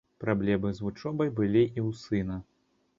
Праблемы з вучобай былі і ў сына.